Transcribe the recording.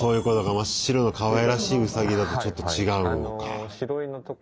真っ白のかわいらしいウサギだとちょっと違うのか。